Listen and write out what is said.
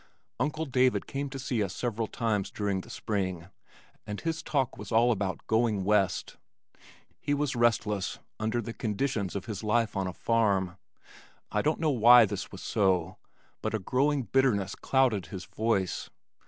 Uncle David came to see us several times during the spring and his talk was all about "going west." He was restless under the conditions of his life on a farm. I don't know why this was so, but a growing bitterness clouded his voice.